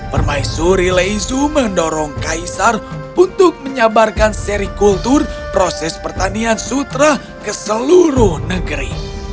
permaisuri leisu mendorong kaisar untuk menyabarkan seri kultur proses pertanian sutra ke seluruh negeri